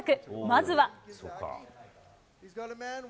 まずは。